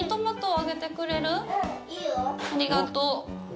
ありがとう